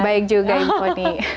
baik juga ibu foni